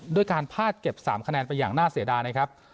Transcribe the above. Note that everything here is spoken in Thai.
ด้วยการพาดเก็บ๓คะแนนไปอย่างน่าเสียดายนะครับ